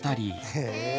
へえ！